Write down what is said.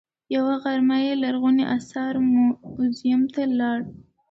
یوه غرمه یې لرغونو اثارو موزیم ته لاړ.